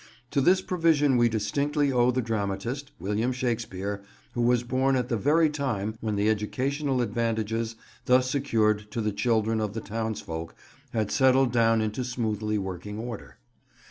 To this provision we distinctly owe the dramatist, William Shakespeare, who was born at the very time when the educational advantages thus secured to the children of the townsfolk had settled down into smoothly working order.